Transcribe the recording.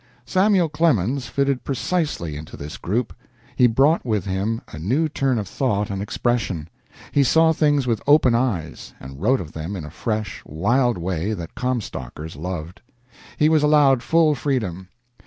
Samuel Clemens fitted precisely into this group. He brought with him a new turn of thought and expression; he saw things with open eyes, and wrote of them in a fresh, wild way that Comstockers loved. He was allowed full freedom.